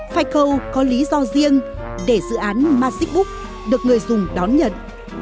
fico có lý do riêng để dự án magicbook được người dùng đón nhận